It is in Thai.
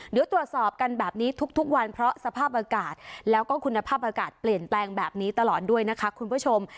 เดี๋ยวตรวจสอบกันแบบนี้ทุกวันเพราะสภาพอากาศแล้วก็คุณภาพอากาศเปลี่ยนแปลงแบบนี้ตลอดด้วยนะคะคุณผู้ชม